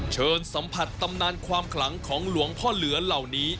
เชิญสัมผัสตำนานความขลังของหลวงพ่อเหลือเหล่านี้